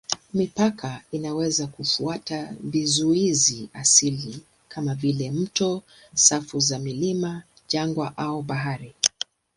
Mipaka inaweza kufuata vizuizi asilia kama vile mito, safu za milima, jangwa au bahari.